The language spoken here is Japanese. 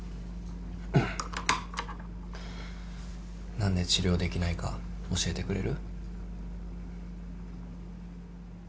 何で治療できないか教えてくれる？